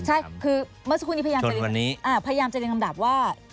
ใช่คือเมื่อสักครู่นี้พยายามจะพยายามจะเรียงลำดับว่า